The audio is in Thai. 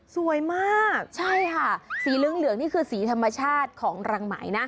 สวยมากใช่ค่ะสีเหลืองนี่คือสีธรรมชาติของรังไหมนะ